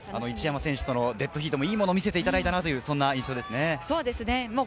一山選手とのデッドヒートもいいものを見せてもらったという印象ですね。